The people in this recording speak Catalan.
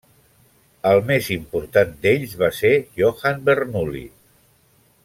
El més important d'ells va ser Johann Bernoulli.